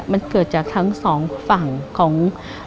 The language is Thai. มันเกิดจากทั้ง๒ฝั่ง